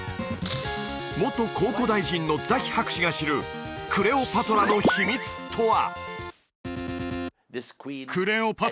元考古大臣のザヒ博士が知るクレオパトラの秘密とは？